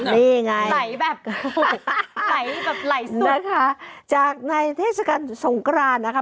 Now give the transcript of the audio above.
อ๋อนี่ไงนะคะจากในเทศกาลสงกราศนะคะ